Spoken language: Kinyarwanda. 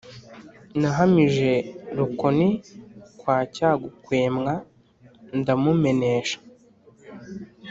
nahamije Rukoni kwa Cyagukemwa ndamumenesha